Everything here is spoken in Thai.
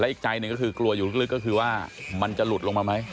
อีกใจหนึ่งก็คือกลัวอยู่ลึกก็คือว่ามันจะหลุดลงมาไหม